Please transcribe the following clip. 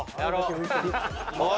おい！